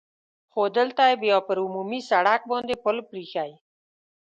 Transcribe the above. خو دلته یې بیا پر عمومي سړک باندې پل پرې اېښی.